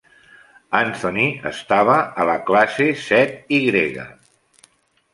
Anthony estava a la classe set Y.